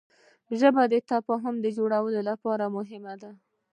ژبه د تفاهم د جوړولو لپاره مهمه ده